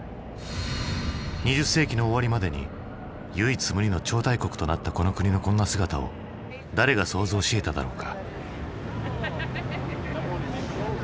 ２０世紀の終わりまでに唯一無二の超大国となったこの国のこんな姿を誰が想像しえただろうか？